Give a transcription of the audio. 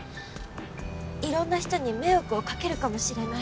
いろんな人に迷惑をかけるかもしれない。